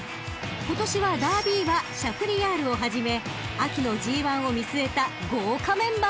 ［今年はダービー馬シャフリヤールをはじめ秋のＧⅠを見据えた豪華メンバーが揃いました］